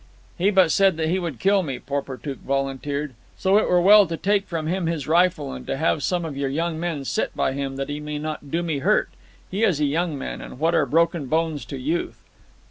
"He but said that he would kill me," Porportuk volunteered. "So it were well to take from him his rifle, and to have some of your young men sit by him, that he may not do me hurt. He is a young man, and what are broken bones to youth!"